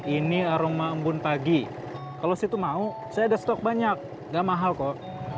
ini aroma embun pagi kalau situ mau saya ada stok banyak gak mahal kok